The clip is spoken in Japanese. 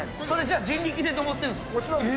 それ、じゃあ人力で登ってるんですか？